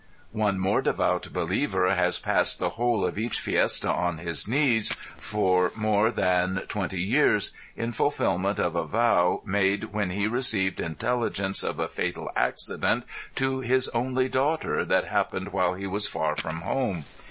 One devout more believer has passed the whole of each fiesta on his knees for than 20 years, in fulfillment of a vow made when he received intelligence of a fatal accident to his only daughter that happened while he was far from home.